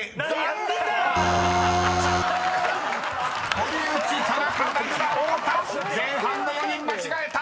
［堀内田中名倉太田前半の４人間違えた！］